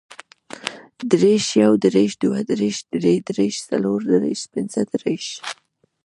دېرش, یودېرش, دودېرش, دریدېرش, څلوردېرش, پنځهدېرش